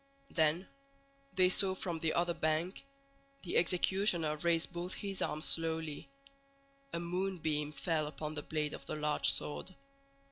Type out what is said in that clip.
Then they saw from the other bank the executioner raise both his arms slowly; a moonbeam fell upon the blade of the large sword.